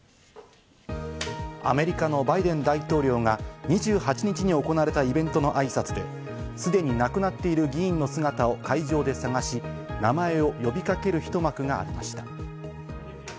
アメリカのバイデン大統領が２８日に行われたイベントのあいさつで、すでに亡くなっている議員の姿を会場で探し、名前を呼びかける一幕がありました。